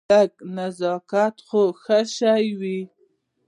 لږ نزاکت خو ښه شی وي.